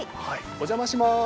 お邪魔します。